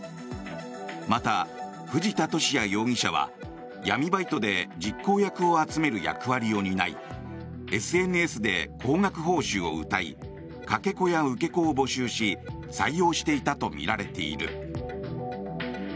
また、藤田聖也容疑者は闇バイトで実行役を集める役割を担いＳＮＳで高額報酬をうたいかけ子や受け子を募集し採用していたとみられている。